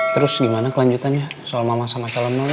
terus gimana kelanjutannya soal mama sama calon mama